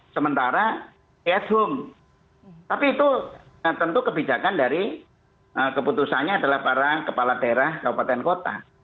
sementara at home tapi itu tentu kebijakan dari keputusannya adalah para kepala daerah kabupaten kota